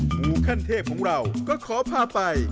หมูขั้นเทพของเราก็ขอพาไป